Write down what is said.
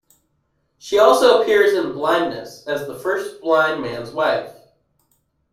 She also appears in "Blindness" as the First Blind Man's Wife.